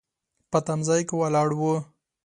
په تم ځای کې ولاړ و.